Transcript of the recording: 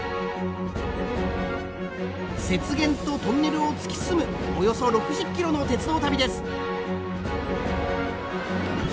雪原とトンネルを突き進むおよそ６０キロの鉄道旅です。